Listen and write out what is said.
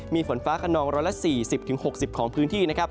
มีฝนฟ้าคนนองร้อยละ๔๐๖๐ของพื้นที่นะครับ